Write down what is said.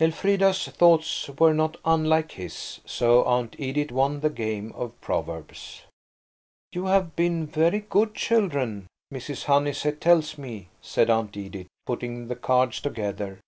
Elfrida's thoughts were not unlike his–so Aunt Edith won the game of Proverbs. "You have been very good children, Mrs. Honeysett tells me," said Aunt Edith, putting the cards together.